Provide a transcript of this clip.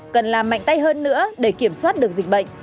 cần làm mạnh tay hơn nữa để kiểm soát được dịch bệnh